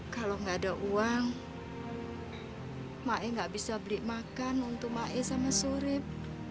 kalau gak ada uang mae gak bisa beli makan untuk mae sama surip